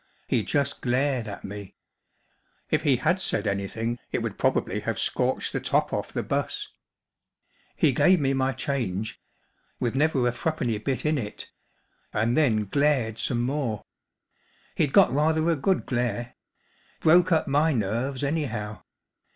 He just glared at me. If he had said anything it would prob¬ ably have scorched the top off the bus. He gave me my change‚ÄĒwith never a threepenny bit in it‚ÄĒand then glared some more. He’d got rather a good glare. Broke up my nerves, anyhow.